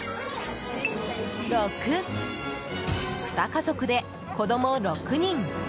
２家族で子供６人。